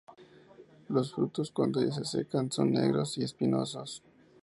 Los frutos cuando se secan son negros y espinosos.